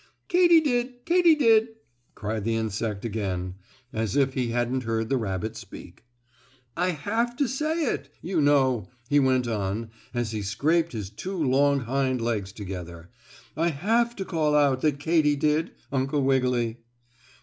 "Katy did! Katy did!" cried the insect again, as if he hadn't heard the rabbit speak. "I have to say it, you know," he went on, as he scraped his two long hind legs together. "I have to call out that Katy did, Uncle Wiggily."